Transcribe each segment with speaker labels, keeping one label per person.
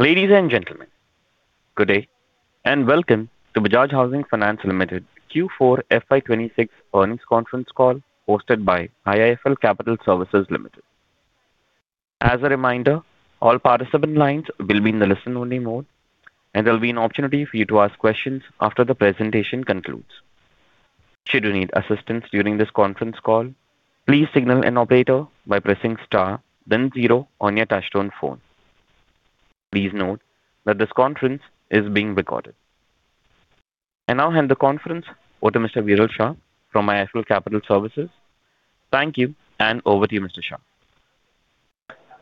Speaker 1: Ladies and gentlemen, good day, and welcome to Bajaj Housing Finance Limited Q4 FY 2026 Earnings Conference Call hosted by IIFL Capital Services Limited. As a reminder, all participant lines will be in the listen-only mode, and there'll be an opportunity for you to ask questions after the presentation concludes. Should you need assistance during this conference call, please signal an operator by pressing star then zero on your touchtone phone. Please note that this conference is being recorded. I now hand the conference over to Mr. Viral Shah from IIFL Capital Services. Thank you, and over to you, Mr. Shah.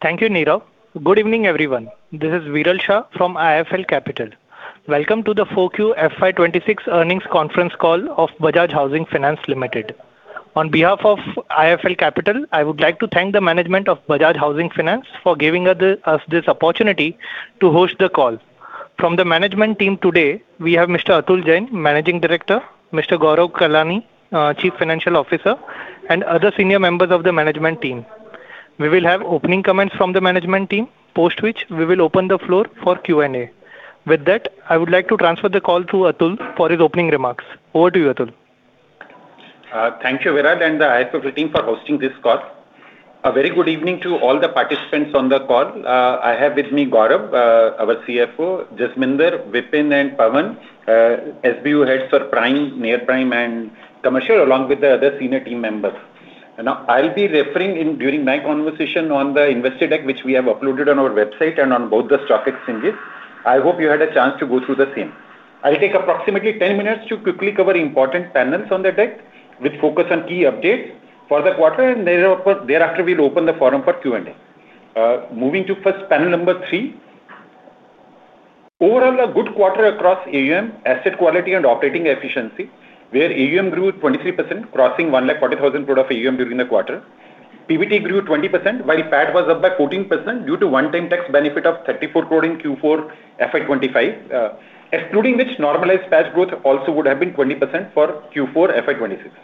Speaker 2: Thank you, Nirav. Good evening, everyone. This is Viral Shah from IIFL Capital. Welcome to the 4Q FY 2026 earnings conference call of Bajaj Housing Finance Limited. On behalf of IIFL Capital, I would like to thank the management of Bajaj Housing Finance for giving us this, us this opportunity to host the call. From the management team today, we have Mr. Atul Jain, Managing Director, Mr. Gaurav Kalani, Chief Financial Officer, and other senior members of the management team. We will have opening comments from the management team, post which we will open the floor for Q&A. With that, I would like to transfer the call to Atul for his opening remarks. Over to you, Atul.
Speaker 3: Thank you, Viral, and the IIFL team for hosting this call. A very good evening to all the participants on the call. I have with me Gaurav, our CFO, Jasminder, Vipin, and Pawan, SBU heads for prime, near prime, and commercial, along with the other senior team members. Now, I'll be referring in during my conversation on the investor deck, which we have uploaded on our website and on both the stock exchanges. I hope you had a chance to go through the same. I'll take approximately 10 minutes to quickly cover important panels on the deck with focus on key updates for the quarter, and thereafter we'll open the forum for Q&A. Moving to first panel number three. Overall, a good quarter across AUM, asset quality, and operating efficiency, where AUM grew 23%, crossing 1.4 lakh crore of AUM during the quarter. PBT grew 20% while PAT was up by 14% due to one-time tax benefit of 34 crore in Q4 FY 2025. Excluding which normalized PAT growth also would have been 20% for Q4 FY 2026.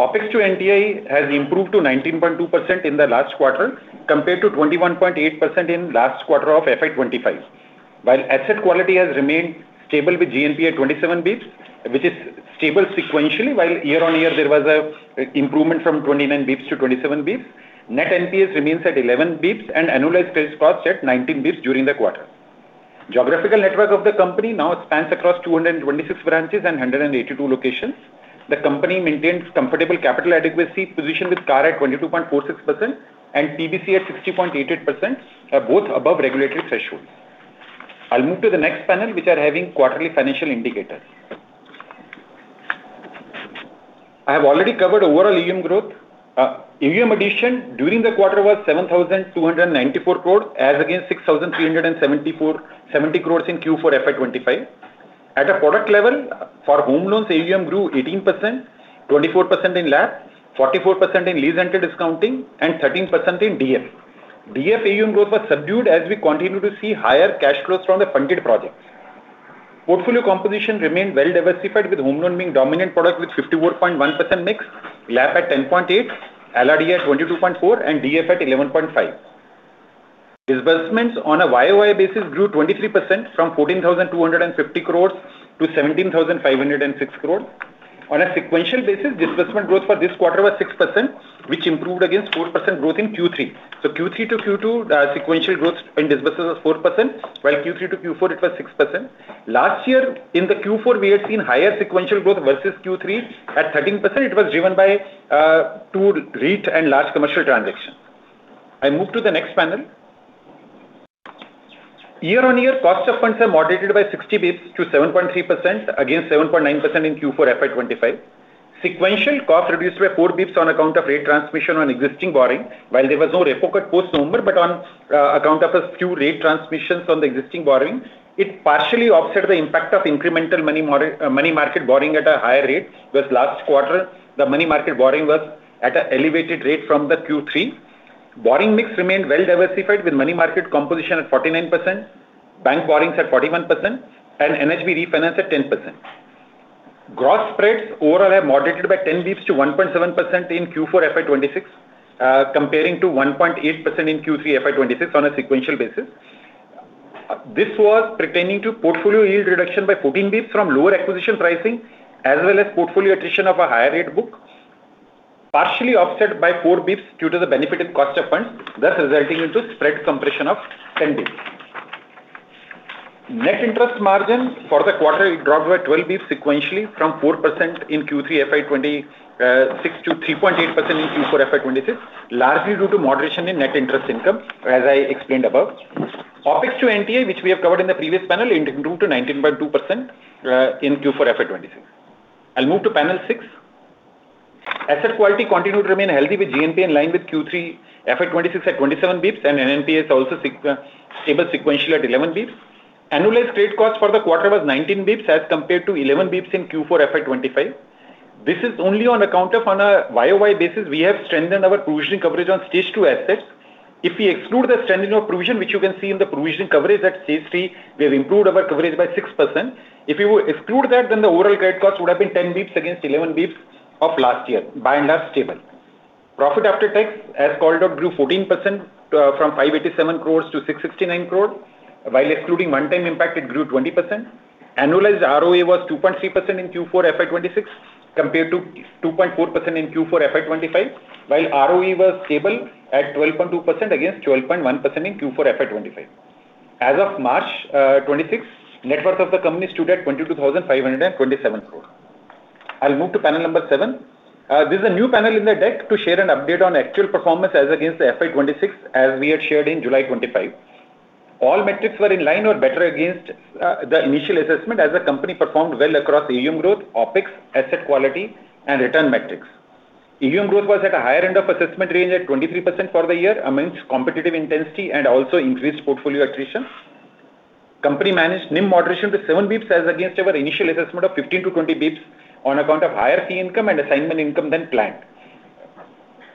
Speaker 3: OpEx to NTI has improved to 19.2% in the last quarter compared to 21.8% In last quarter of FY 2025. While asset quality has remained stable with GNPA at 27 bps, which is stable sequentially, while year on year there was a improvement from 29 bps to 27 bps. Net NPA remains at 11 bps and annualized credit cost at 19 bps during the quarter. Geographical network of the company now spans across 226 branches and 128 locations. The company maintains comfortable capital adequacy position with CAR at 22.46% and PBC at 60.88%, both above regulatory thresholds. I'll move to the next panel, which are having quarterly financial indicators. I have already covered overall AUM growth. AUM addition during the quarter was 7,294 crore as against 6,370 crore in Q4 FY 2025. At a product level for home loans, AUM grew 18%, 24% in LAP, 44% in lease rental discounting, and 13% in DF. DF AUM growth was subdued as we continue to see higher cash flows from the funded projects. Portfolio composition remained well diversified with home loan being dominant product with 54.1% Mix, LAP at 10.8%, LRD at 22.4%, and DF at 11.5%. Disbursement on a YoY basis grew 23% from 14,250 crores to 17,506 crore. On a sequential basis, disbursement growth for this quarter was 6%, which improved against 4% growth in Q3. So Q3 to Q2, the sequential growth in disbursements was 4%, while Q3 to Q4 it was 6%. Last year in the Q4, we had seen higher sequential growth versus Q3 at 13%. It was driven by two REIT and large commercial transactions. I move to the next panel. Year-on-year, cost of funds are moderated by 60 bps to 7.3% against 7.9% In Q4 FY 2025. Sequential cost reduced by 4 bps on account of rate transmission on existing borrowing. While there was no repo cut post-November, but on account of a few rate transmissions on the existing borrowing, it partially offset the impact of incremental money mar-money market borrowing at a higher rate, thus last quarter the money market borrowing was at an elevated rate from the Q3. Borrowing mix remained well diversified with money market composition at 49%, bank borrowings at 41%, and NHB refinance at 10%. Gross spreads overall have moderated by 10 bps to 1.7% in Q4 FY 2026, comparing to 1.8% in Q3 FY 2026 on a sequential basis. This was pertaining to portfolio yield reduction by 14 bps from lower acquisition pricing as well as portfolio attrition of a higher rate book, partially offset by 4 bps due to the benefit in cost of funds, thus resulting into spread compression of 10 bps. Net interest margin for the quarter dropped by 12 bps sequentially from 4% in Q3 FY 2026 to 3.8% in Q4 FY 2026, largely due to moderation in net interest income, as I explained above. OpEx to NTI, which we have covered in the previous panel, improved to 19.2% in Q4 FY 2026. I'll move to panel six. Asset quality continued to remain healthy with GNPA in line with Q3 FY 2026 at 27 bps and NNPA also stable sequential at 11 bps. Annualized trade cost for the quarter was 19 bps as compared to 11 bps in Q4 FY 2025. This is only on account of on a YoY basis, we have strengthened our provisioning coverage on stage two assets. If we exclude the strengthening of provision, which you can see in the provision coverage at stage three, we have improved our coverage by 6% If you exclude that, then the overall credit cost would have been 10 bps against 11 bps of last year. By and large, stable. Profit after tax, as called out, grew 14%, from 587 crores to 669 crore. While excluding one-time impact, it grew 20%. Annualized ROE was 2.3% in Q4 FY 2026 compared to 2.4% in Q4 FY 2025. While ROE was stable at 12.2% against 12.1 % in Q4 FY 2025. As of March, 2026, net worth of the company stood at 22,527 crore. I'll move to panel number seven. This is a new panel in the deck to share an update on actual performance as against the FY 2026 as we had shared in July 2025. All metrics were in line or better against, the initial assessment as the company performed well across AUM growth, OpEx, asset quality and return metrics. AUM growth was at a higher end of assessment range at 23% for the year amidst competitive intensity and also increased portfolio attrition. Company managed NIM moderation to 7 bps as against our initial assessment of 15 to 20 bps on account of higher fee income and assignment income than planned.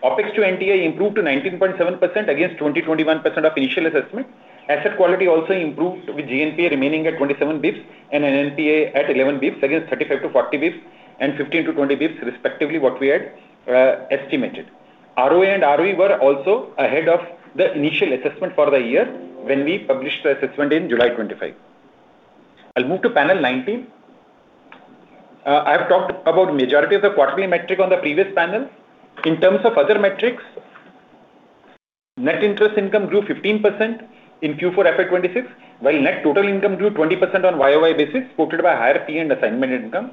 Speaker 3: OpEx to NTI improved to 19.7% against 20%-21% of initial assessment. Asset quality also improved with GNPA remaining at 27 bps and NNPA at 11 bps against 35 to 40 bps and 15-20 bps, respectively, what we had estimated. ROA and ROE were also ahead of the initial assessment for the year when we published the assessment in July 2025. I'll move to panel 19. I have talked about majority of the quarterly metric on the previous panel. In terms of other metrics, net interest income grew 15% in Q4 FY 2026, while net total income grew 20% on YoY basis, supported by higher fee and assignment income.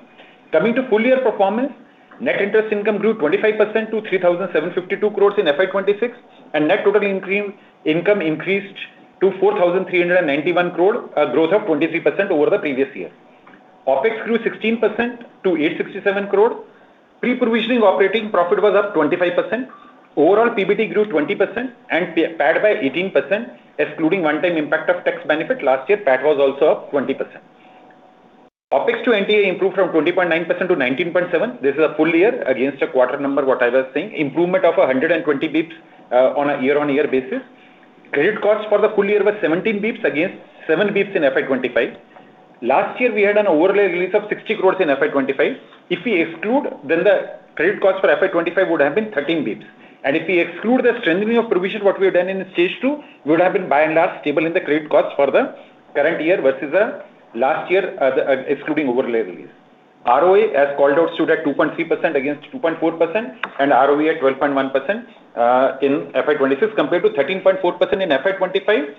Speaker 3: Coming to full year performance, net interest income grew 25% to 3,752 crores in FY 2026, and net total increase-income increased to 4,391 crore, a growth of 23% over the previous year. OpEx grew 16% to 867 crore. Pre-provisioning operating profit was up 25%. Overall PBT grew 20% and PAT by 18%, excluding one-time impact of tax benefit. Last year, PAT was also up 20%. OpEx to NTI improved from 20.9% to 19.7%. This is a full year against a quarter number, what I was saying. Improvement of a 120 bps on a year-on-year basis. Credit cost for the full year was 17 bps against 7 bps in FY 2025. Last year, we had an overlay release of 60 crores in FY 2025. If we exclude, then the credit cost for FY 2025 would have been 13 bps. And if we exclude the strengthening of provision, what we have done in stage two, we would have been by and large stable in the credit cost for the current year versus the last year, excluding overlay release. ROA, as called out, stood at 2.3% against 2.4% and ROE at 12.1% in FY 2026 compared to 13.4% in FY 2025.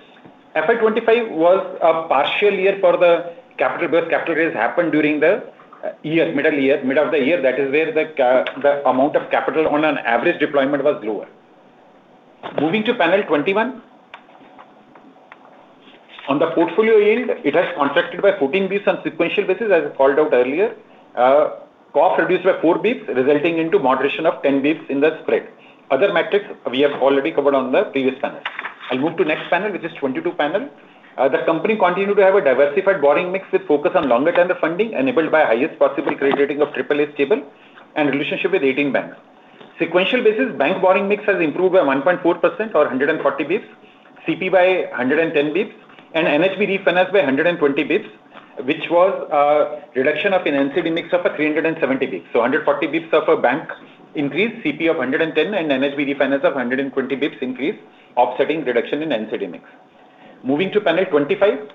Speaker 3: FY 2025 was a partial year for the capital growth. Capital raise happened during the middle year, mid of the year. That is where the amount of capital on an average deployment was lower. Moving to panel 21. On the portfolio yield, it has contracted by 14 bps on sequential basis as called out earlier. Cost reduced by 4 bps resulting into moderation of 10 bps in the spread. Other metrics we have already covered on the previous panels. I'll move to next panel, which is 22 panel. The company continued to have a diversified borrowing mix with focus on longer-term funding enabled by highest possible credit rating of AAA stable and relationship with 18 banks. Sequential basis, bank borrowing mix has improved by 1.4% or a 140 bps, CP by a 110 bps and NHB refinanced by a 120 bps, which was reduction of an NCD mix of a 370 bps. So 140 bps of a bank increase, CP of 110, and NHB refinance of a 120 bps increase, offsetting reduction in NCD mix. Moving to panel 25.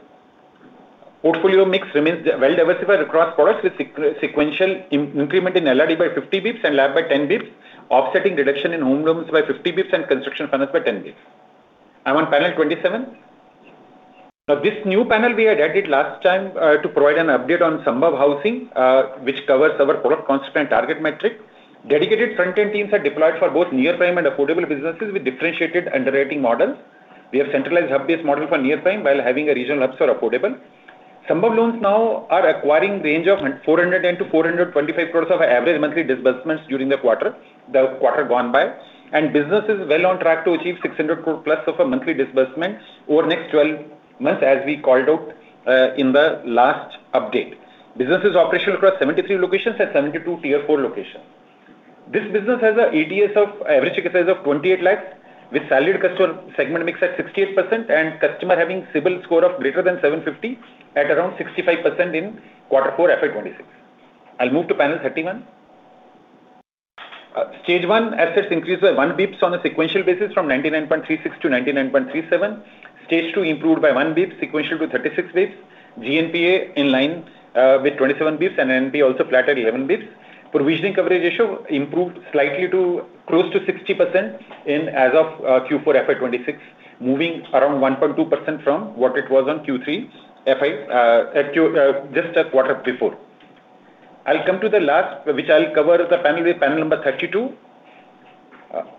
Speaker 3: Portfolio mix remains well diversified across products with sequential increment in LRD by 50 bps and LAP by 10 bps, offsetting reduction in home loans by 50 bps and construction finance by 10 bps. I'm on panel 27. Now, this new panel we had added last time to provide an update on Sambhav Housing, which covers our product constituent target metric. Dedicated front-end teams are deployed for both near prime and affordable businesses with differentiated underwriting models. We have centralized hub-based model for near prime while having a regional hubs for affordable. Sambhav loans now are acquiring range of 400 crore to 425 crore of average monthly disbursements during the quarter, the quarter gone by. And business is well on track to achieve 600+ crore of a monthly disbursement over next 12 months as we called out in the last update. Business is operational across 73 locations and 72 Tier 4 locations. This business has a ATS of average ticket size of 28 lakhs with salaried customer segment mix at 68% and customer having CIBIL score of greater than 750 at around 65% in quarter four FY 2026. I'll move to panel 31. Stage one assets increased by 1 bps on a sequential basis from 99.36% to 99.37%. Stage two improved by 1 bps sequential to 36 bps. GNPA in line with 27 bps and NNPA also flat at 11 bps. Provisioning coverage ratio improved slightly to close to 60% in as of Q4 FY 2026, moving around 1.2% from what it was on Q3 FY-- just at quarter before. I'll come to the last, which I'll cover the panel with panel number 32.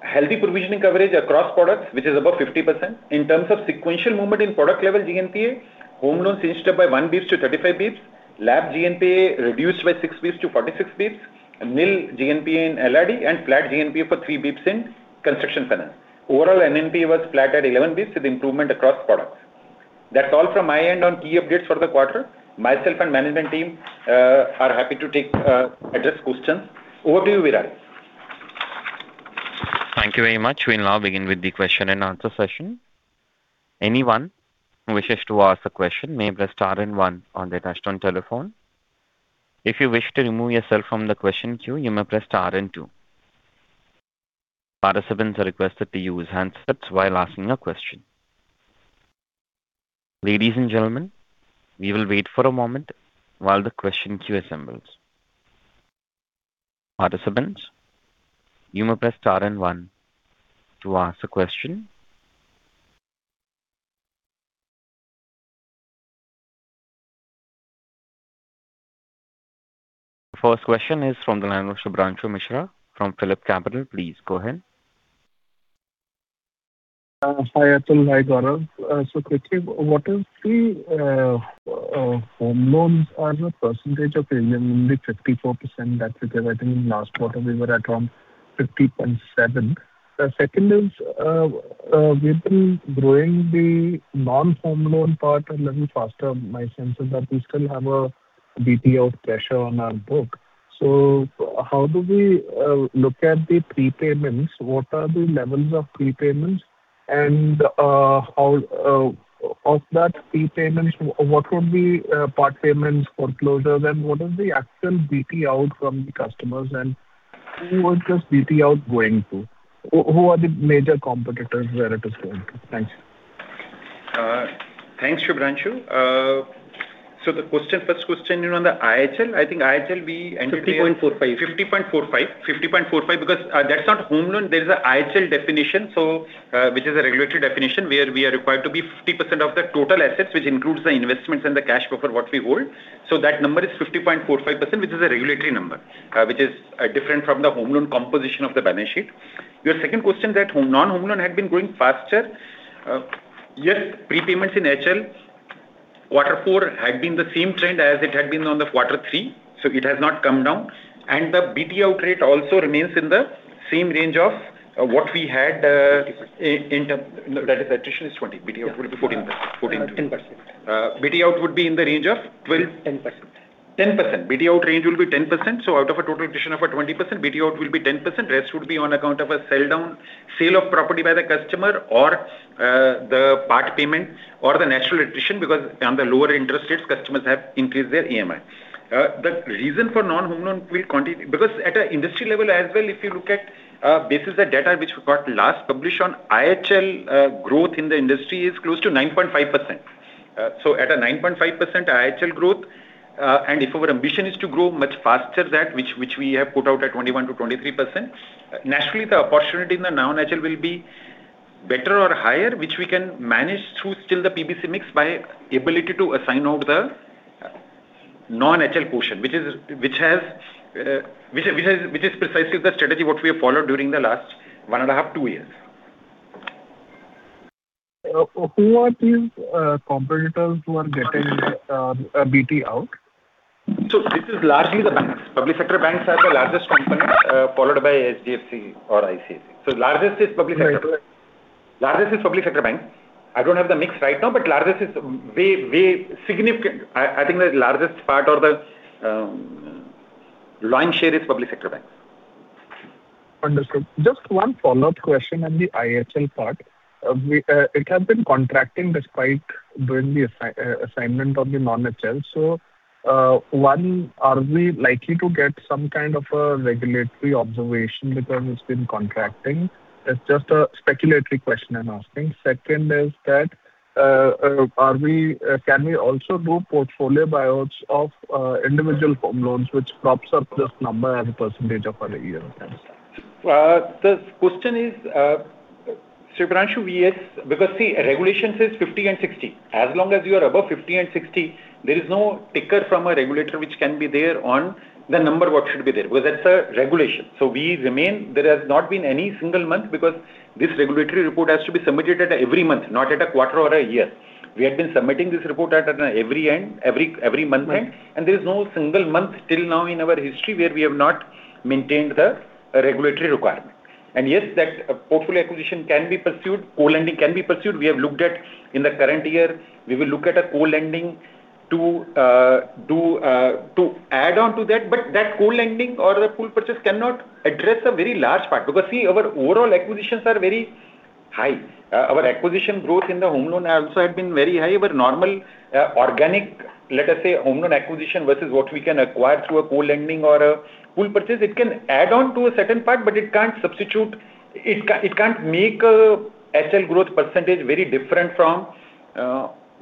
Speaker 3: Healthy provisioning coverage across products, which is above 50%. In terms of sequential movement in product level GNPA, home loans increased up by 1 bps to 35 bps. LAP GNPA reduced by 6 bps to 46 bps. Nil GNPA in LRD and flat GNPA for 3 bps in construction finance. Overall, NNPA was flat at 11 bps with improvement across products. That's all from my end on key updates for the quarter. Myself and management team are happy to address questions. Over to you, Viral.
Speaker 1: Thank you very much. We'll now begin with the question and answer session. Anyone who wishes to ask a question may press star and one on their touch-tone telephone. If you wish to remove yourself from the question queue, you may press star and two. Participants are requested to use handsets while asking a question. Ladies and gentlemen, we will wait for a moment while the question queue assembles. Participants, you may press star and one to ask a question. First question is from the line of Shubhranshu Mishra from Philip Capital. Please go ahead.
Speaker 4: Hi, Atul. Hi, Gaurav. So quickly, what is the home loans are the percentage of Indian only 54%. That's because I think last quarter we were at around 50.7%. The second is, we've been growing the non-home loan part a little faster. My sense is that we still have a BT-out pressure on our book. So how do we look at the prepayments? What are the levels of prepayments? And how, of that prepayments, what would be part payments, foreclosures, and what is the actual BT out from the customers? And who is this BT out going to? Who are the major competitors where it is going to? Thanks.
Speaker 3: Thanks, Shubhranshu. So the question, first question is on the HL. I think HL we engineered, 50.45%. 50.45% because, that's not home loan. There is a HL definition, which is a regulatory definition, where we are required to be 50% of the total assets, which includes the investments and the cash buffer what we hold. So that number is 50.45%, which is a regulatory number, which is different from the home loan composition of the balance sheet. Your second question that home-- non-home loan had been growing faster. Yes, prepayments in HL quarter four had been the same trend as it had been on the quarter three, so it has not come down. And the BT out rate also remains in the same range of what we had, in term-- No. That is attrition is 20%. BT out will be 14%.
Speaker 5: 10%.
Speaker 3: BT out would be in the range of 12%--
Speaker 5: 10%.
Speaker 3: 10%. BT-out range will be 10%. Out of a total attrition of 20%, BT-out will be 10%. Rest would be on account of a sell-down, sale of property by the customer or the part payment or the natural attrition because on the lower interest rates, customers have increased their EMI. The reason for non-home loan will continue. Because at an industry level as well, if you look at basis the data which we got last published on HL, growth in the industry is close to 9.5%. At a 9.5% HL growth, if our ambition is to grow much faster that which we have put out at 21%-23%, naturally the opportunity in the non-HL will be better or higher, which we can manage through still the PBC mix by ability to assign out the non-HL portion. Which is, which has precisely the strategy what we have followed during the last 1.5, two years.
Speaker 4: Who are these competitors who are getting BT out?
Speaker 3: This is largely the banks. Public sector banks are the largest company, followed by HDFC or ICICI. Largest is public sector.
Speaker 4: Right.
Speaker 3: Largest is public sector banks. I don't have the mix right now, but largest is way significant. I think the largest part or the lion's share is public sector banks.
Speaker 4: Understood. Just one follow-up question on the HL part. It has been contracting despite doing the assignment on the non-HL. One, are we likely to get some kind of a regulatory observation because it's been contracting? That's just a speculatory question I'm asking. Second is that, are we, can we also do portfolio buyouts of individual home loans which props up this number as a percentage of our year? Thanks.
Speaker 3: The question is, Shubhranshu, because see, regulation says 50 and 60. As long as you are above 50 and 60, there is no ticker from a regulator which can be there on the number what should be there. Because that's a regulation. We remain. There has not been any single month because this regulatory report has to be submitted every month, not at a quarter or a year. We have been submitting this report every month end. There is no single month till now in our history where we have not maintained the regulatory requirement. Yes, that portfolio acquisition can be pursued. Pool lending can be pursued. We have looked at in the current year. We will look at a pool lending to add on to that. That pool lending or the pool purchase cannot address a very large part. See, our overall acquisitions are very high. Our acquisition growth in the home loan also had been very high, but normal organic, let us say, home loan acquisition versus what we can acquire through a pool lending or a pool purchase, it can add on to a certain part, but it can't substitute. It can't make a HL growth percentage very different from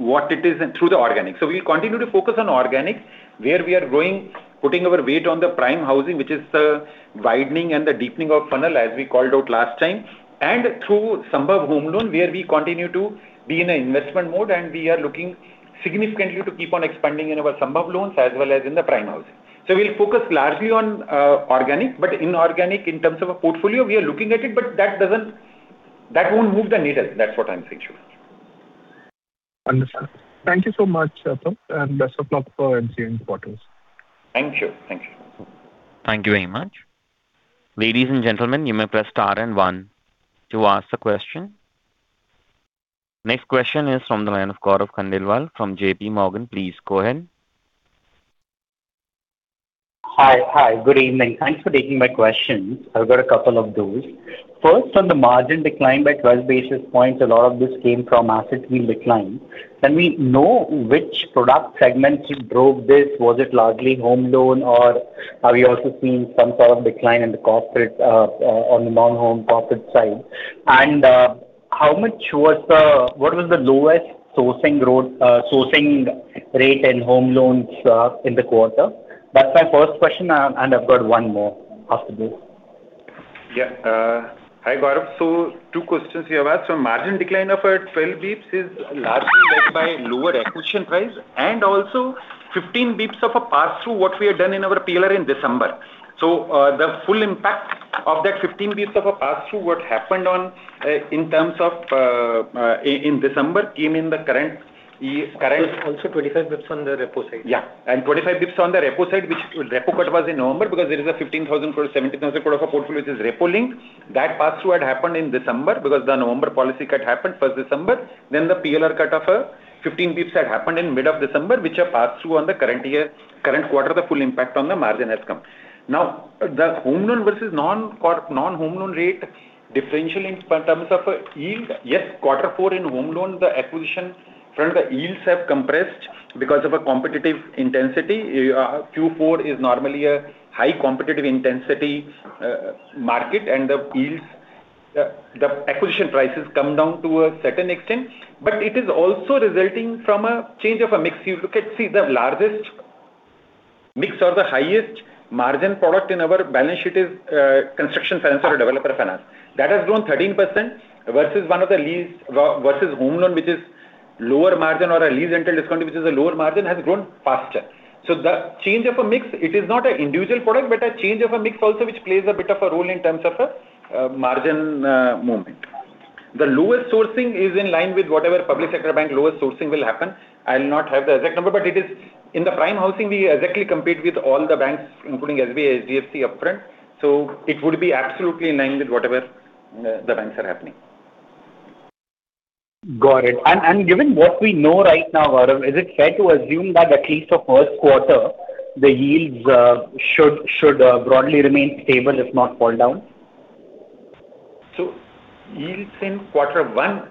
Speaker 3: what it is through the organic. We'll continue to focus on organic, where we are growing, putting our weight on the prime housing, which is the widening and the deepening of funnel, as we called out last time, and through Sambhav Home Loans, where we continue to be in a investment mode, and we are looking significantly to keep on expanding in our Sambhav loans as well as in the prime housing. We'll focus largely on organic. Inorganic, in terms of a portfolio, we are looking at it, but that won't move the needle. That's what I'm saying, Shubhranshu.
Speaker 4: Understood. Thank you so much, Atul, and best of luck for ensuing quarters.
Speaker 3: Thank you. Thank you.
Speaker 1: Thank you very much. Ladies and gentlemen, you may press star and one to ask a question. Next question is from the line of Gaurav Khandelwal from JPMorgan. Please go ahead.
Speaker 6: Hi. Good evening. Thanks for taking my questions. I've got a couple of those. First, on the margin decline by 12 basis points, a lot of this came from asset yield decline. Can we know which product segment drove this? Was it largely home loan, or are we also seeing some sort of decline in the corporate on the non-home corporate side? What was the lowest sourcing rate and home loans in the quarter? That's my first question. I've got one more after this.
Speaker 3: Yeah. Hi, Gaurav. Two questions you have asked. Margin decline of 12 bps is largely led by lower acquisition price and also 15 bps of a pass-through what we have done in our PLR in December. The full impact of that 15 bps of a pass-through what happened on in terms of in December came in the current.
Speaker 5: 25 bps on the repo side.
Speaker 3: Yeah. 25 bps on the repo side, which repo cut was in November because there is a 15,000 crore, 17,000 crore of a portfolio which is repo-linked. That pass-through had happened in December because the November policy cut happened 1st December. The PLR cut of 15 bps had happened in mid of December, which are pass-through on the current year, current quarter, the full impact on the margin has come. The home loan versus non-home loan rate differential in terms of yield. Yes, quarter four in home loan, the acquisition from the yields have compressed because of a competitive intensity. Q4 is normally a high competitive intensity market and the yields, the acquisition prices come down to a certain extent. It is also resulting from a change of a mix. You look at, see the largest mix or the highest margin product in our balance sheet is construction finance or developer finance. That has grown 13% versus one of the least, versus home loan, which is lower margin or a lease rental discounted, which is a lower margin, has grown faster. The change of a mix, it is not an individual product, but a change of a mix also which plays a bit of a role in terms of a margin movement. The lowest sourcing is in line with whatever public sector bank lowest sourcing will happen. I'll not have the exact number. It is in the prime housing, we exactly compete with all the banks, including SBI, HDFC upfront. It would be absolutely in line with whatever the banks are happening.
Speaker 6: Got it. Given what we know right now, Gaurav, is it fair to assume that at least for first quarter the yields should broadly remain stable, if not fall down?
Speaker 3: So yields in quarter one.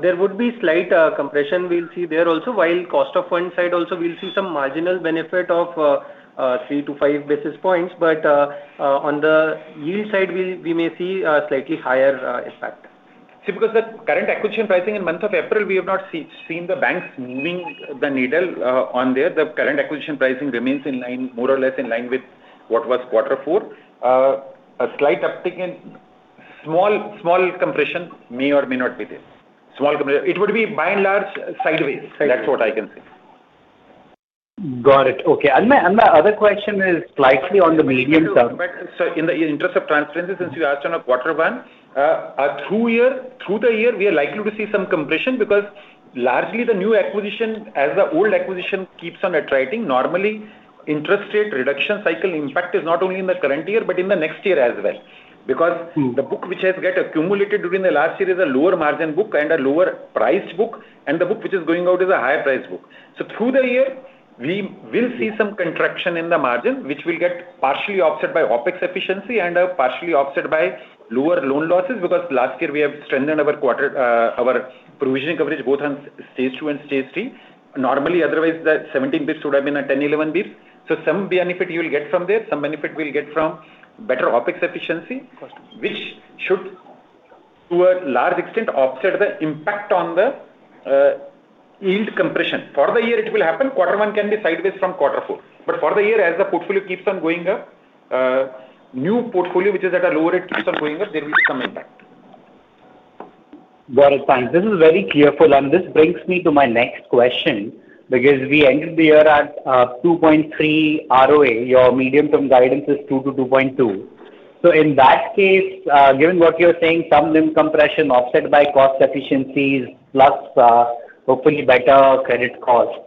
Speaker 5: There would be slight compression we'll see there also, while cost of fund side also we'll see some marginal benefit of 3 to 5 basis points. On the yield side, we may see a slightly higher impact. See, because the current acquisition pricing in month of April, we have not seen the banks moving the needle on there. The current acquisition pricing remains in line, more or less in line with what was quarter four. A slight uptick in small compression may or may not be there. Small compression. It would be by and large sideways. That's what I can say.
Speaker 6: Got it. Okay. My, and my other question is slightly on the medium term.
Speaker 3: In the interest of transparency, since you asked on quarter one. Through the year, we are likely to see some compression because largely the new acquisition, as the old acquisition keeps on attriting, normally interest rate reduction cycle impact is not only in the current year but in the next year as well. The book which has get accumulated during the last year is a lower margin book and a lower priced book, and the book which is going out is a higher priced book. Through the year, we will see some contraction in the margin, which will get partially offset by OpEx efficiency and partially offset by lower loan losses because last year we have strengthened our provisioning coverage both on stage two and stage three. Normally, otherwise, the 17 bps would have been a 10, 11 bps. Some benefit you will get from there. Some benefit we'll get from better OpEx efficiency.
Speaker 6: Got it.
Speaker 3: Which should, to a large extent, offset the impact on the yield compression. For the year it will happen. Quarter one can be sideways from quarter four. But for the year, as the portfolio keeps on going up, new portfolio, which is at a lower rate, keeps on going up, there will be some impact.
Speaker 6: Got it. Thanks. This is very clear. This brings me to my next question. We ended the year at 2.3% ROA. Your medium-term guidance is 2%-2.2%. Given what you're saying, some limb compression offset by cost efficiencies, plus hopefully better credit cost.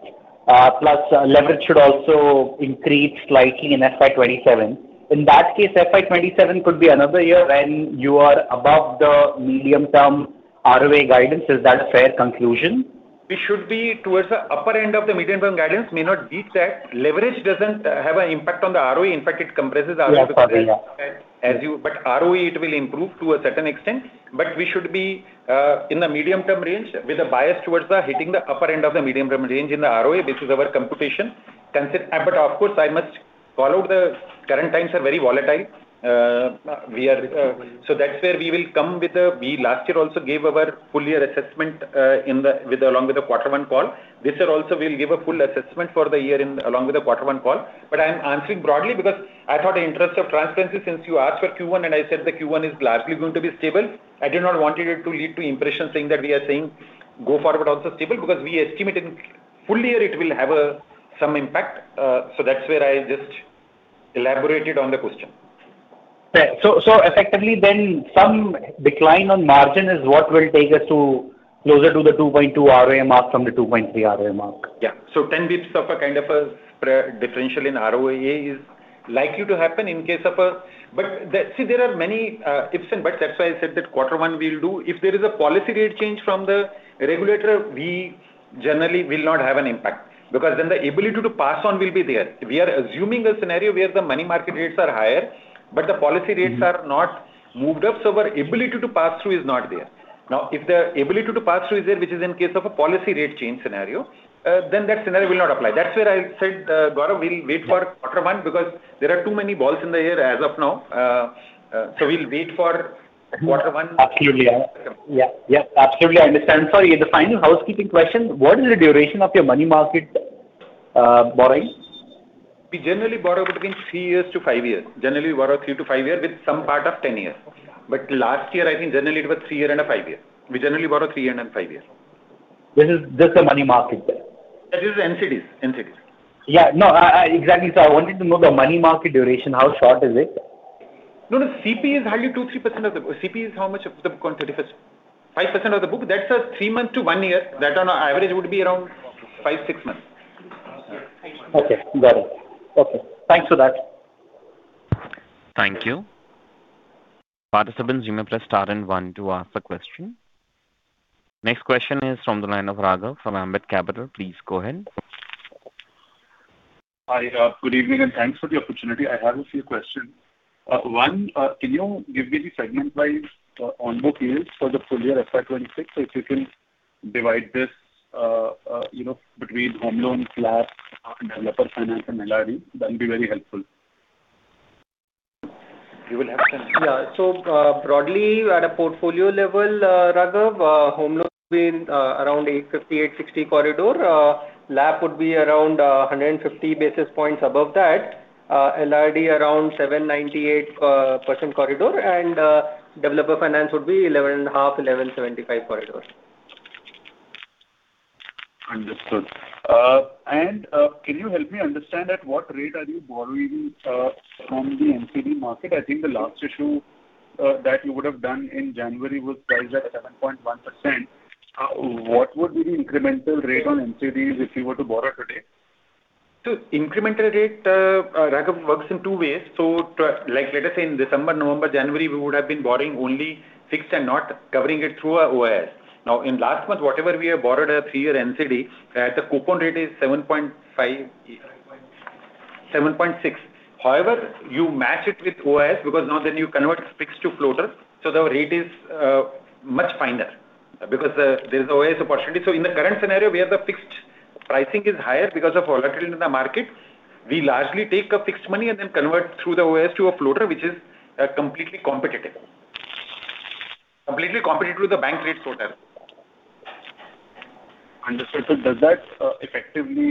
Speaker 6: Plus leverage should also increase slightly in FY 2027. In that case, FY 2027 could be another year when you are above the medium-term ROA guidance. Is that a fair conclusion?
Speaker 3: We should be towards the upper end of the medium-term guidance, may not beat that. Leverage doesn't have an impact on the ROA. In fact, it compresses ROA.
Speaker 6: Yeah. Got it. Yeah.
Speaker 3: ROA, it will improve to a certain extent. We should be in the medium-term range with a bias towards the hitting the upper end of the medium-term range in the ROA. This is our computation. Of course, I must follow the current times are very volatile. We last year also gave our full year assessment in the, with the, along with the quarter one call. This year also we'll give a full assessment for the year in, along with the quarter one call. I'm answering broadly because I thought in interest of transparency since you asked for Q1, and I said the Q1 is largely going to be stable. I did not want it to lead to impression saying that we are saying go forward also stable because we estimate in full year it will have some impact. That's where I just elaborated on the question.
Speaker 6: Fair. So, so effectively then some decline on margin is what will take us to closer to the 2.2% ROA mark from the 2.3% ROA mark.
Speaker 3: Yeah. So 10 bps of a kind of a differential in ROA is likely to happen in case of a-- But the-- See, there are many, uh, ifs and buts. That's why I said that quarter one we'll do. If there is a policy rate change from the regulator, we generally will not have an impact because then the ability to pass on will be there. We are assuming a scenario where the money market rates are higher, but the policy rates are not moved up, so our ability to pass through is not there. Now, if the ability to pass through is there, which is in case of a policy rate change scenario, uh, then that scenario will not apply. That's where I said, Gaurav, we'll wait for quarter one because there are too many balls in the air as of now. So we'll wait for quarter one.
Speaker 6: Absolutely. Yeah. Absolutely, I understand. Sorry. The final housekeeping question, what is the duration of your money market borrowing?
Speaker 3: We generally borrow between three years to five years. Generally, we borrow three to five years with some part of 10 years. But last year, I think generally it was three year and a five year. We generally borrow three and a five year.
Speaker 6: This is just the money market there.
Speaker 5: This is NCDs.
Speaker 6: Yeah. No, exactly. I wanted to know the money market duration. How short is it?
Speaker 3: No, no. CP is hardly 2%, 3% of the. CP is how much of the book on 31st? 5% of the book. That's three month to one year. That on an average would be around five, six months.
Speaker 6: Okay, got it. Okay. Thanks for that.
Speaker 1: Thank you. Participants, you may press star and one to ask a question. Next question is from the line of Raghav from Ambit Capital. Please go ahead.
Speaker 7: Hi. good evening and thanks for the opportunity. I have a few questions. one, can you give me the segment-wise, on-book yields for the full year FY 2026? If you can divide this, you know, between home loans, LAP, developer finance and LRD, that will be very helpful.
Speaker 5: You will have some.
Speaker 3: Yeah. Broadly at a portfolio level, Raghav, home loans will around 8.50%-8.60% corridor. LAP would be around 150 basis points above that. LRD around 7.98% corridor. Developer finance would be 11.5%-11.75% corridor.
Speaker 7: Understood. Can you help me understand at what rate are you borrowing from the NCD market? I think the last issue that you would have done in January was priced at 7.1%. What would be the incremental rate on NCDs if you were to borrow today?
Speaker 3: So incremental rate, Raghav, works in two ways. Like, let us say in December, November, January, we would have been borrowing only fixed and not covering it through our OIS. Now in last month, whatever we have borrowed at three-year NCD at the coupon rate is 7.5--
Speaker 5: 7.6%.
Speaker 3: 7.6%. You match it with OIS because now then you convert fixed to floater, so the rate is much finer because there's always opportunity. In the current scenario, where the fixed pricing is higher because of volatility in the market, we largely take a fixed money and then convert through the OIS to a floater, which is completely competitive. Completely competitive with the bank rate floater.
Speaker 7: Understood. Does that effectively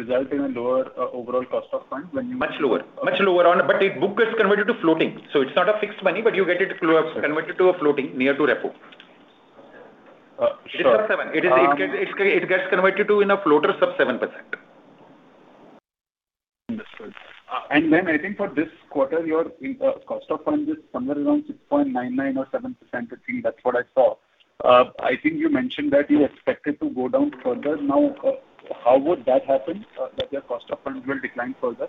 Speaker 7: result in a lower overall cost of fund when you?
Speaker 3: Much lower. Much lower on. The book is converted to floating, so it's not a fixed money, but you get it converted to a floating near to repo.
Speaker 7: Sure.
Speaker 3: It is sub 7%. It gets converted to in a floater sub 7%.
Speaker 7: Understood. And then I think for this quarter, your cost of funds is somewhere around 6.99% or 7% I think. That's what I saw. I think you mentioned that you expected to go down further. Now, how would that happen that your cost of funds will decline further?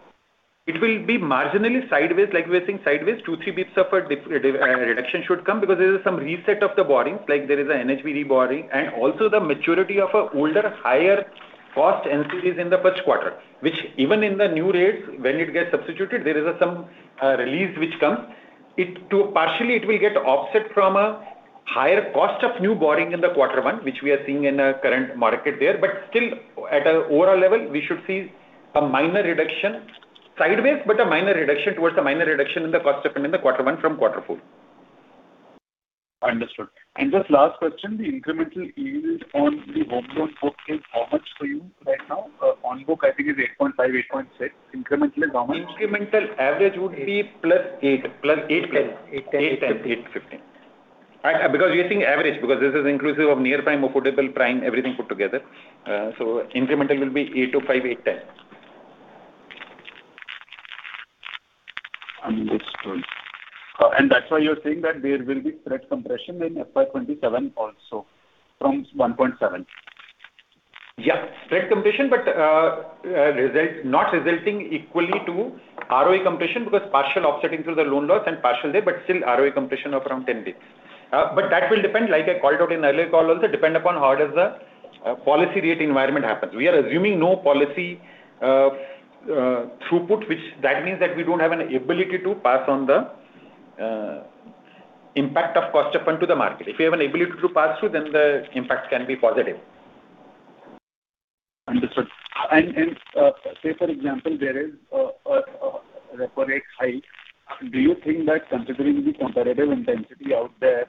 Speaker 3: It will be marginally sideways. Like we're seeing sideways, 2, 3 bps of a reduction should come because there is some reset of the borrowings. Like, there is a NHB re-borrowing and also the maturity of a older, higher cost NCDs in the first quarter. Which even in the new rates when it gets substituted, there is some release which comes. Partially it will get offset from a higher cost of new borrowing in the quarter one, which we are seeing in the current market there. Still at a overall level, we should see a minor reduction. Sideways, but a minor reduction towards the minor reduction in the cost of fund in the quarter one from quarter four.
Speaker 7: Understood. Just last question, the incremental yield on the home loan book is how much for you right now? On book I think is 8.5%, 8.6%. Incrementally how much?
Speaker 3: Incremental average would be +8%.
Speaker 5: 8.10%.
Speaker 3: 8.10%, 8.15%. Because we are seeing average, because this is inclusive of near-prime, affordable prime, everything put together. Incremental will be 8.05%, 8.10%.
Speaker 7: Understood. That's why you're saying that there will be spread compression in FY 2027 also from 1.7%.
Speaker 3: Yeah. Spread compression, but, result-- not resulting equally to ROE compression because partial offsetting through the loan loss and partial there, but still ROE compression of around 10 bps. That will depend, like I called out in earlier call also, depend upon how does the policy rate environment happens. We are assuming no policy throughput, which that means that we don't have an ability to pass on the impact of cost of fund to the market. If we have an ability to pass through, then the impact can be positive.
Speaker 7: Understood. Say for example, there is a repo rate hike. Do you think that considering the competitive intensity out there,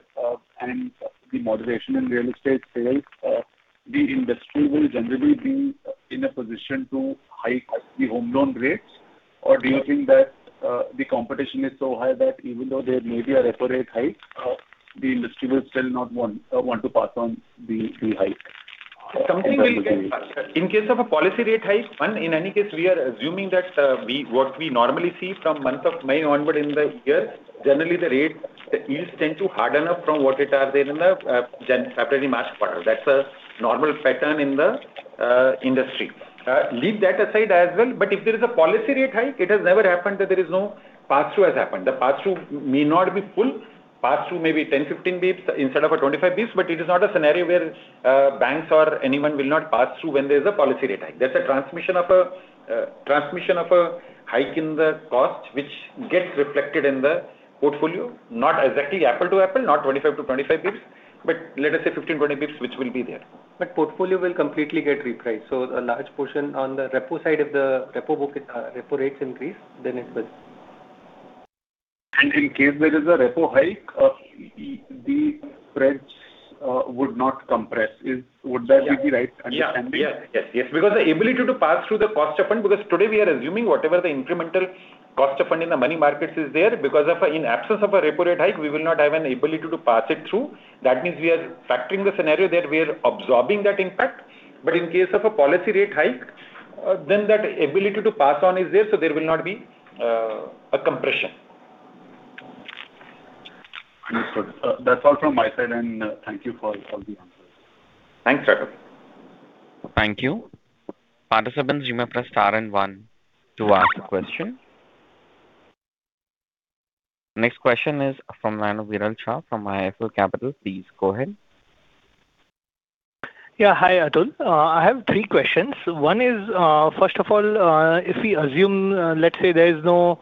Speaker 7: and the moderation in real estate sales, the industry will generally be in a position to hike the home loan rates? Or do you think that the competition is so high that even though there may be a repo rate hike, the industry will still not want to pass on the hike?
Speaker 3: Something will get passed. In case of a policy rate hike, one, in any case, we are assuming that we what we normally see from month of May onward in the year, generally the rate, the yields tend to harden up from what it are there in the February, March quarter. That's a normal pattern in the industry. Leave that aside as well. If there is a policy rate hike, it has never happened that there is no pass-through has happened. The pass-through may not be full. Pass-through may be 10, 15 bps instead of a 25 bps, but it is not a scenario where banks or anyone will not pass through when there's a policy rate hike. There's a transmission of a hike in the cost which gets reflected in the portfolio, not exactly apple to apple, not 25 to 25 bps, but let us say 15, 20 bps, which will be there.
Speaker 5: Portfolio will completely get repriced. A large portion on the repo side of the repo book, repo rates increase, then it will.
Speaker 7: in case there is a repo hike, the spreads would not compress. Would that be the right understanding?
Speaker 3: Yes. Because the ability to pass through the cost of fund, because today we are assuming whatever the incremental cost of fund in the money markets is there in absence of a repo rate hike, we will not have an ability to pass it through. That means we are factoring the scenario that we are absorbing that impact. In case of a policy rate hike, then that ability to pass on is there. There will not be a compression.
Speaker 7: Understood. That's all from my side, and thank you for all the answers.
Speaker 3: Thanks, Raghav.
Speaker 1: Thank you. Participants you may press star and one to ask a question. Next question is from Viral Shah from IIFL Capital. Please go ahead.
Speaker 2: Yeah. Hi, Atul. I have three questions. One is, first of all, if we assume, let's say there is no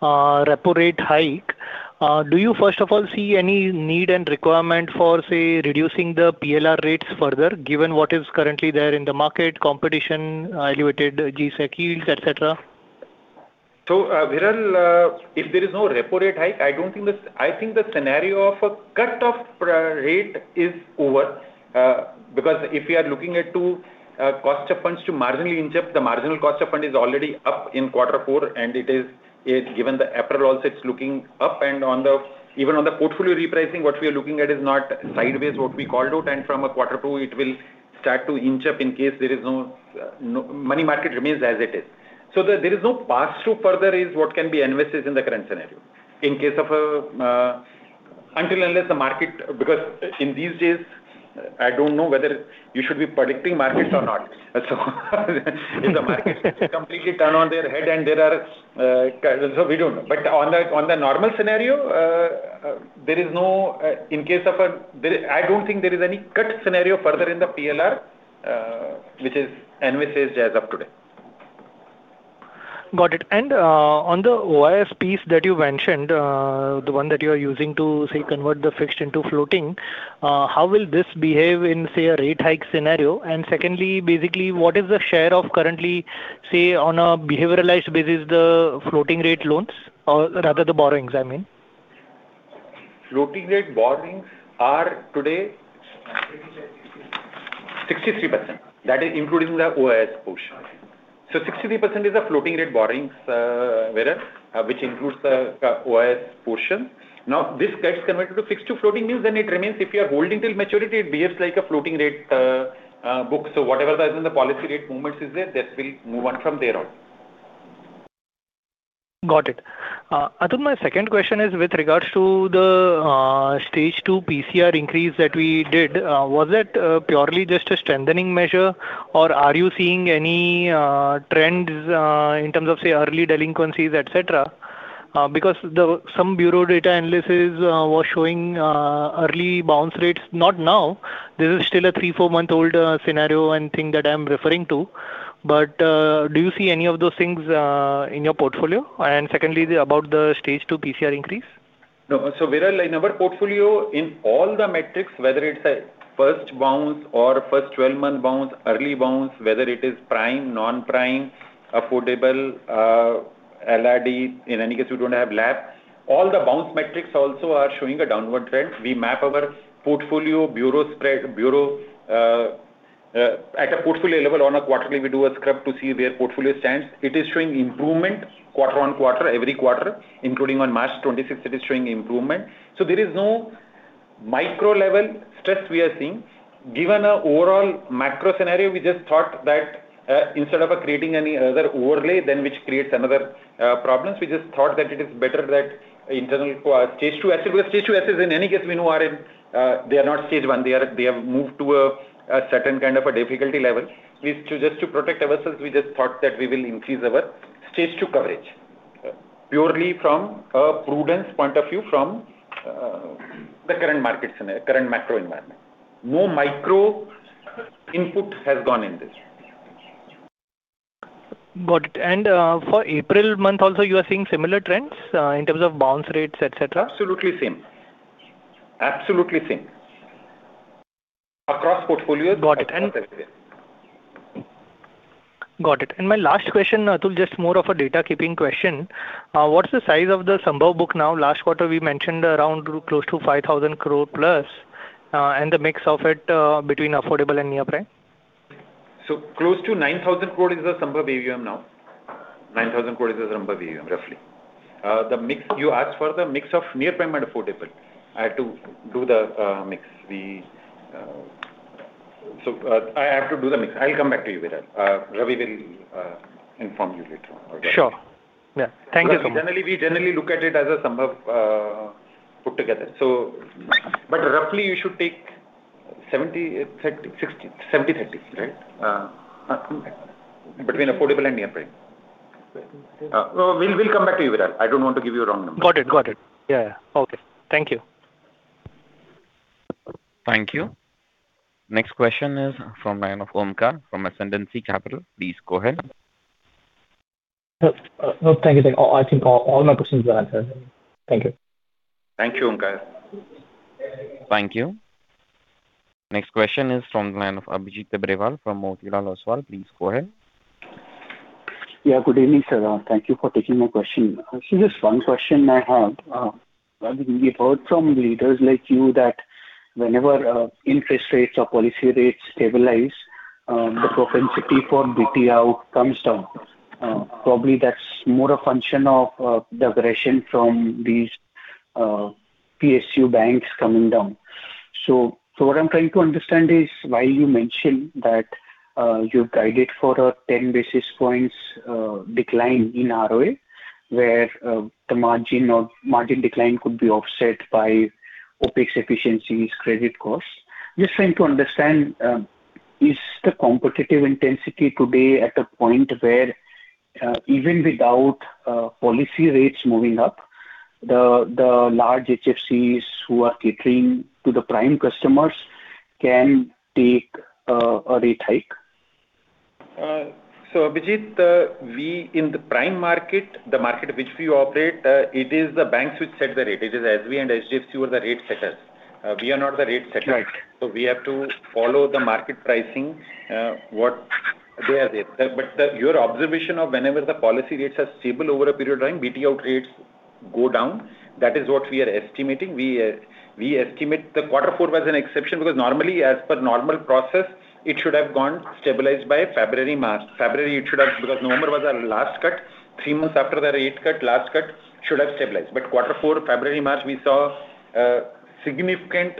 Speaker 2: repo rate hike, do you first of all see any need and requirement for, say, reducing the PLR rates further given what is currently there in the market competition, diluted G-Sec yields, et cetera?
Speaker 3: Viral, if there is no repo rate hike, I don't think the, I think the scenario of a cut off prio- rate is over. Because if we are looking at to cost of funds to marginally inch up, the marginal cost of fund is already up in quarter four, and it is given the after loss, it's looking up. And on the-- even on the portfolio repricing, what we are looking at is not sideways what we called out. And from a quarter two, it will start to inch up in case there is no money market remains as it is. So the there is no pass-through further is what can be envisaged in the current scenario. In case of, Until unless the market because in these days, I don't know whether you should be predicting markets or not. If the market completely turn on their head and there are, we don't know. On the normal scenario, there is no, in case of a-- I don't think there is any cut scenario further in the PLR, which is envisaged as of today.
Speaker 2: Got it. On the OIS piece that you mentioned, the one that you're using to, say, convert the fixed into floating, how will this behave in, say, a rate hike scenario? Secondly, basically, what is the share of currently, say, on a behavioralized basis, the floating rate loans or rather the borrowings, I mean?
Speaker 3: Floating rate borrowings are today 63%. That is including the OIS portion. So 63% is the floating rate borrowings, Viral, which includes the OIS portion. Now, this gets converted to fixed to floating means then it remains if you are holding till maturity, it behaves like a floating rate book. So whatever is in the policy rate movements is there, that will move on from there on.
Speaker 2: Got it. Atul, my second question is with regards to the stage two PCR increase that we did. Was that purely just a strengthening measure, or are you seeing any trends in terms of, say, early delinquencies, et cetera? Because the some bureau data analysis was showing early bounce rates. Not now. This is still a three, four-month-old scenario and thing that I'm referring to. Do you see any of those things in your portfolio? Secondly, about the stage two PCR increase.
Speaker 3: No. So, Viral, in our portfolio in all the metrics, whether it's a first bounce or first 12-month bounce, early bounce, whether it is prime, non-prime, affordable, LRD, in any case we don't have lab. All the bounce metrics also are showing a downward trend. We map our portfolio bureau spread, bureau, at a portfolio level on a quarterly we do a scrub to see where portfolio stands. It is showing improvement quarter on quarter, every quarter, including on March 2026, it is showing improvement. So there is no micro-level stress we are seeing. Given a overall macro scenario, we just thought that, instead of creating any other overlay then which creates another problems, we just thought that it is better that internal stage two assets because stage two assets in any case we know are in, they are not stage one. They have moved to a certain kind of a difficulty level. We just thought that we will increase our stage two coverage. Purely from a prudence point of view from the current macro environment. No micro input has gone in this.
Speaker 2: Got it. For April month also you are seeing similar trends, in terms of bounce rates, et cetera?
Speaker 3: Absolutely same. Across portfolios.
Speaker 2: Got it. Got it. My last question, Atul, just more of a data keeping question. What's the size of the Sambhav book now? Last quarter, we mentioned around close to 5,000+ crore, and the mix of it between affordable and near prime.
Speaker 3: Close to 9,000 crore is the Sambhav AUM now. 9,000 crore is the Sambhav AUM, roughly. You asked for the mix of near prime and affordable. I had to do the mix. I have to do the mix. I'll come back to you with that. Ravi will inform you later on.
Speaker 2: Sure. Yeah. Thank you so much.
Speaker 3: Generally, we look at it as a Sambhav put together. Roughly you should take 70, 30, 60-- 70-30. Right? Between affordable and near-prime.
Speaker 5: Right.
Speaker 3: We'll come back to you with that. I don't want to give you a wrong number.
Speaker 2: Got it. Got it. Yeah. Okay. Thank you.
Speaker 1: Thank you. Next question is from line of Omkar from Ascendancy Capital. Please go ahead.
Speaker 8: No, no, thank you. I think all my questions were answered. Thank you.
Speaker 1: Thank you, Omkar. Thank you. Next question is from the line of Abhijit Tibrewal from Motilal Oswal. Please go ahead.
Speaker 9: Yeah, good evening, sir. Thank you for taking my question. Actually there's one question I had. We've heard from leaders like you that whenever interest rates or policy rates stabilize, the propensity for BT-out comes down. Probably that's more a function of degradation from these PSU banks coming down. What I'm trying to understand is why you mentioned that you guided for a 10 basis points decline in ROA, where the margin or margin decline could be offset by OpEx efficiencies credit costs. Just trying to understand, is the competitive intensity today at a point where even without policy rates moving up, the large HFCs who are catering to the prime customers can take a rate hike?
Speaker 3: Abhijit, we in the prime market, the market which we operate, it is the banks which set the rate. It is SBI and HDFC who are the rate setters. We are not the rate setters.
Speaker 9: Right.
Speaker 3: We have to follow the market pricing, what they are there. Your observation of whenever the policy rates are stable over a period of time, BT-out rates go down. That is what we are estimating. We estimate the quarter four was an exception because normally as per normal process, it should have gone stabilized by February, March. February it should have because November was our last cut. Three months after the rate cut, last cut should have stabilized. Quarter four, February, March, we saw significant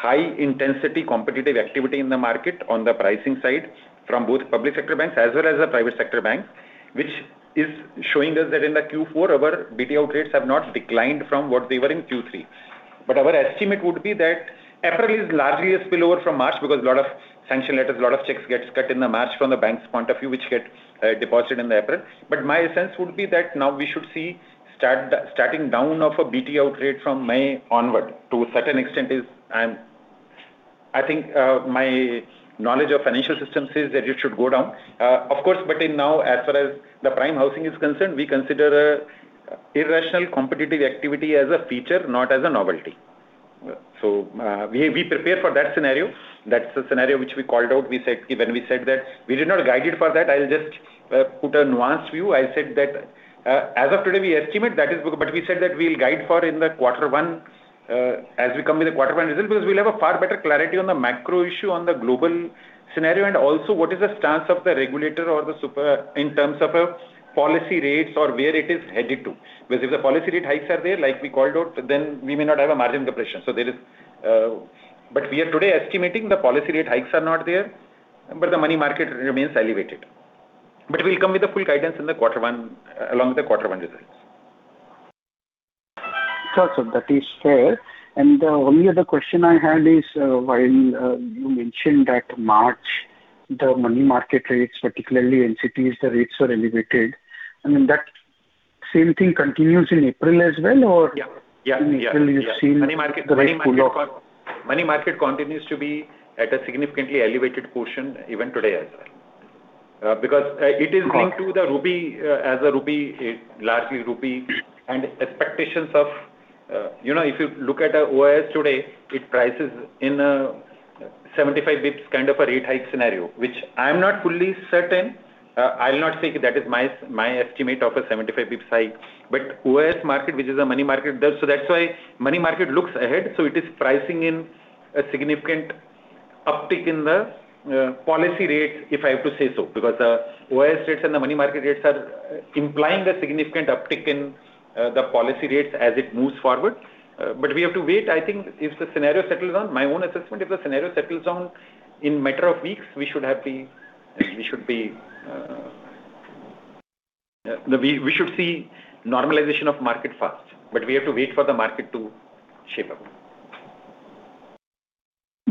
Speaker 3: high intensity competitive activity in the market on the pricing side from both public sector banks as well as the private sector banks, which is showing us that in the Q4 our BT-out rates have not declined from what they were in Q3. But our estimate would be that April is largely a spillover from March because a lot of sanction letters, a lot of checks gets cut in the March from the bank's point of view, which get deposited in the April. But my sense would be that now we should see start the-- starting down of a BT-out rate from May onward. To a certain extent is and I think my knowledge of financial systems says that it should go down. Of course, but in now, as far as the prime housing is concerned, we consider irrational competitive activity as a feature, not as a novelty. We prepare for that scenario. That's the scenario which we called out. We said when we said that we did not guide it for that. I'll just put a nuanced view. I said that, as of today, we estimate that is because, but we said that we'll guide for in the quarter one, as we come with the quarter one result, because we'll have a far better clarity on the macro issue, on the global scenario, and also what is the stance of the regulator or the super in terms of policy rates or where it is headed to. If the policy rate hikes are there, like we called out, we may not have a margin compression. We are today estimating the policy rate hikes are not there, but the money market remains elevated. We'll come with the full guidance in the quarter one, along with the quarter one results.
Speaker 9: Sure, sir. That is fair. The only other question I had is, while you mentioned that March, the money market rates, particularly in cities, the rates were elevated. I mean, that same thing continues in April as well, or?
Speaker 3: Yeah.
Speaker 9: In April you've seen the rate pull off.
Speaker 3: Money market continues to be at a significantly elevated portion even today as well. Because it is linked to the rupee, as a rupee, it largely rupee and expectations of, you know, if you look at our OIS today, it prices in 75 bps kind of a rate hike scenario, which I am not fully certain. I will not say that is my estimate of a 75 bps hike. OIS market, which is a money market does. That's why money market looks ahead. It is pricing in a significant uptick in the policy rate, if I have to say so, because OIS rates and the money market rates are implying a significant uptick in the policy rates as it moves forward. We have to wait. I think if the scenario settles down, my own assessment, if the scenario settles down in matter of weeks, we should have the-- we should see normalization of market fast, but we have to wait for the market to shape up.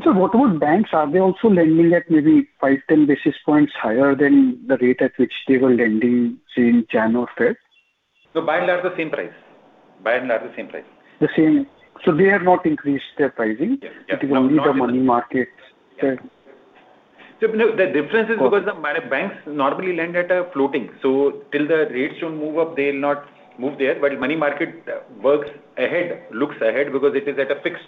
Speaker 9: What about banks? Are they also lending at maybe 5, 10 basis points higher than the rate at which they were lending, say, in January or February?
Speaker 3: By and large, the same price.
Speaker 9: The same. They have not increased their pricing.
Speaker 3: Yeah.
Speaker 9: It is only the money markets that.
Speaker 3: No, the difference is because the banks normally lend at a floating. Till the rates don't move up, they'll not move there. Money market works ahead, looks ahead because it is at a fixed.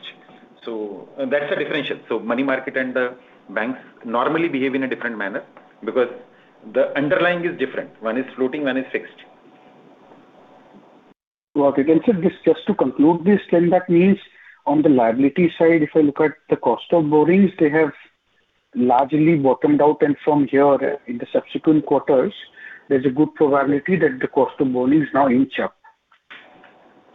Speaker 3: That's the differential. Money market and the banks normally behave in a different manner because the underlying is different. One is floating, one is fixed.
Speaker 9: Okay. Sir, just to conclude this then, that means on the liability side, if I look at the cost of borrowings, they have largely bottomed out. From here in the subsequent quarters, there's a good probability that the cost of borrowings now inch up.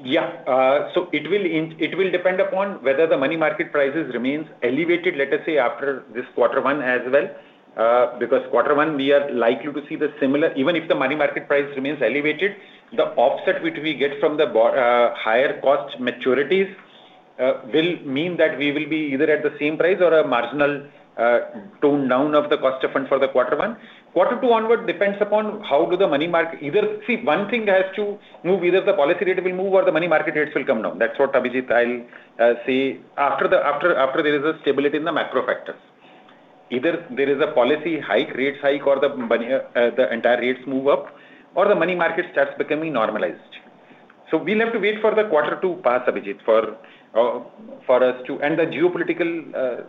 Speaker 3: It will depend upon whether the money market prices remains elevated, let us say, after this quarter one as well. Because quarter one, we are likely to see the similar. Even if the money market price remains elevated, the offset which we get from the higher cost maturities, will mean that we will be either at the same price or a marginal tone down of the cost upfront for the quarter one. Quarter two onward depends upon how do the money market either. See, one thing has to move, either the policy rate will move or the money market rates will come down. That's what, Abhijit, I'll say after there is a stability in the macro factors. Either there is a policy hike, rates hike or the money, the entire rates move up or the money market starts becoming normalized. We'll have to wait for the quarter two pass, Abhijit. The geopolitical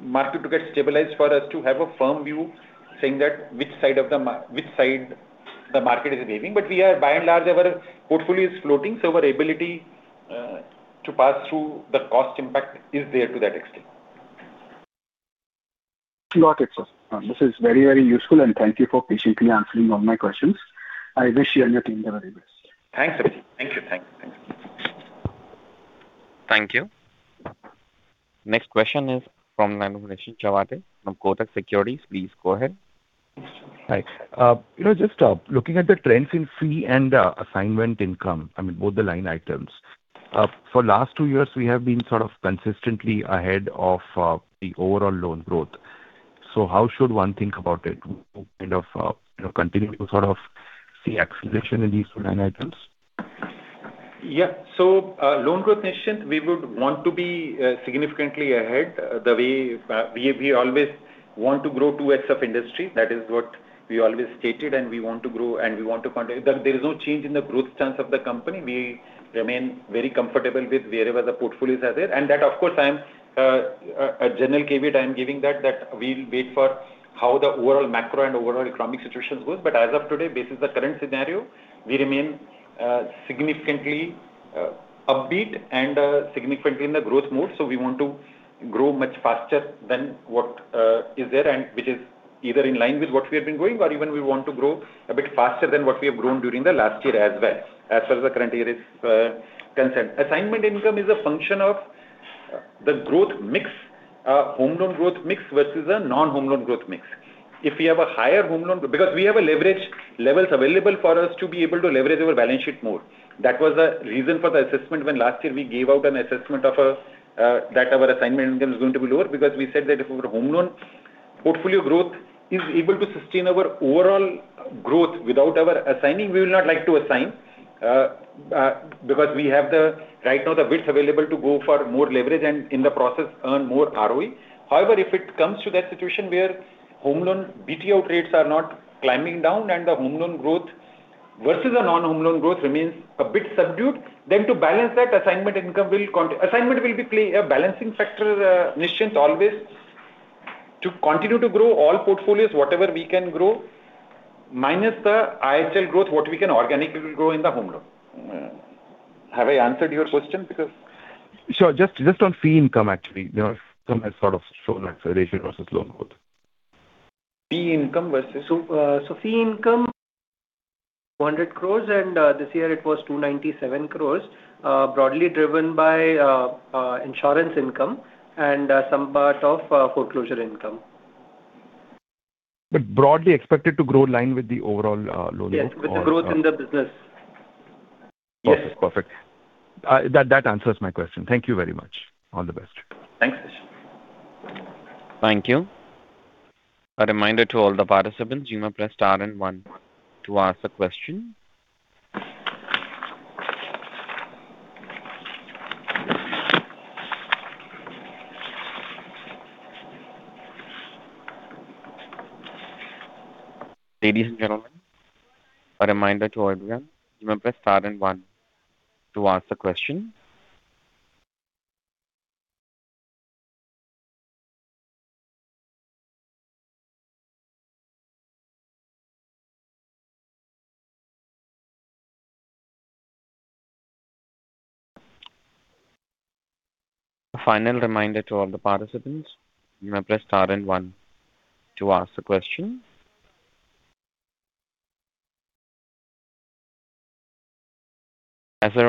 Speaker 3: market to get stabilized for us to have a firm view saying that which side the market is behaving. We are by and large our portfolio is floating, so our ability to pass through the cost impact is there to that extent.
Speaker 9: Got it, sir. This is very, very useful. Thank you for patiently answering all my questions. I wish you and your team the very best.
Speaker 3: Thanks, Abhijit. Thank you. Thank you.
Speaker 1: Thank you. Next question is from Nischint Chawathe from Kotak Securities. Please go ahead.
Speaker 10: Hi. You know, just looking at the trends in fee and assignment income, I mean, both the line items. For last two years, we have been sort of consistently ahead of the overall loan growth. How should one think about it? Kind of, you know, continue to sort of see acceleration in these two line items.
Speaker 3: Loan growth, Nischint, we would want to be significantly ahead, the way we always want to grow 2x of industry. That is what we always stated, and we want to grow, and we want to continue. There is no change in the growth chance of the company. We remain very comfortable with wherever the portfolios are there. That of course, I'm a general caveat I'm giving that we'll wait for how the overall macro and overall economic situations goes. But as of today, this is the current scenario. We remain significantly upbeat and significantly in the growth mode. We want to grow much faster than what is there and which is either in line with what we have been growing or even we want to grow a bit faster than what we have grown during the last year as well, as far as the current year is concerned. Assignment income is a function of the growth mix, home loan growth mix versus a non-home loan growth mix. If we have a higher home loan because we have a leverage levels available for us to be able to leverage our balance sheet more. That was the reason for the assessment when last year we gave out an assessment of that our assignment income is going to be lower because we said that if our home loan portfolio growth is able to sustain our overall growth without our assigning, we will not like to assign. Because we have the, right now, the width available to go for more leverage and in the process earn more ROE. However, if it comes to that situation where home loan BT-out rates are not climbing down and the home loan growth versus a non-home loan growth remains a bit subdued, then to balance that, assignment income will assignment will play a balancing factor, Nischint, always to continue to grow all portfolios, whatever we can grow, minus the HL growth, what we can organically grow in the home loan. Have I answered your question?
Speaker 10: Sure. Just on fee income, actually. You know, some has sort of shown acceleration versus loan growth.
Speaker 5: Fee income 100 crore and this year it was 297 crore broadly driven by insurance income and some part of foreclosure income.
Speaker 10: Broadly expected to grow in line with the overall loan growth.
Speaker 5: Yes, with the growth in the business. Yes.
Speaker 10: Okay. Perfect. That answers my question. Thank you very much. All the best.
Speaker 3: Thanks, Nischint.
Speaker 1: Thank you. As there are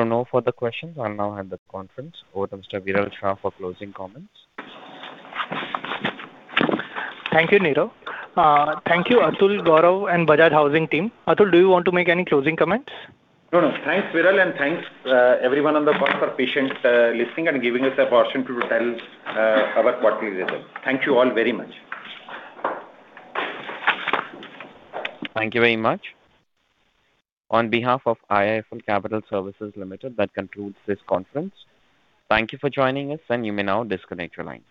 Speaker 1: no further questions, I'll now hand the conference over to Mr. Viral Shah for closing comments.
Speaker 2: Thank you, Nirav. Thank you Atul, Gaurav, and Bajaj Housing team. Atul, do you want to make any closing comments?
Speaker 3: No, no. Thanks, Viral, and thanks, everyone on the call for patient, listening and giving us the opportunity to tell, our quarterly results. Thank you all very much.
Speaker 1: Thank you very much. On behalf of IIFL Capital Services Limited, that concludes this conference. Thank you for joining us, and you may now disconnect your lines.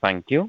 Speaker 1: Thank you.